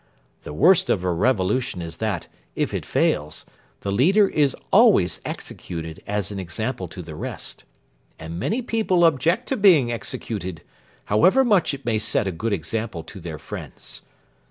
The worst of a revolution is that, if it fails, the leader is always executed as an example to the rest. And many people object to being executed, however much it may set a good example to their friends.